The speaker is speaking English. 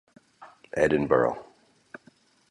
Edinburgh.